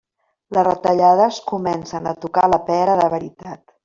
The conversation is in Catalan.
Les retallades comencen a tocar la pera de veritat.